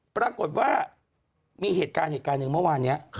ปรากฏว่ามีเหตุการณ์เหตุการณ์หนึ่งเมื่อวานนี้